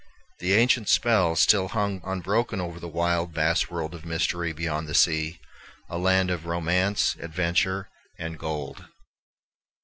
The ancient spell still hung unbroken over the wild, vast world of mystery beyond the sea, a land of romance, adventure, and gold.